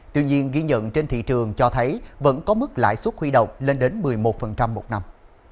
tuy nhiên ghi nhận trên thị trường cho thấy vẫn có mức lãi suất huy động lên đến một mươi một một năm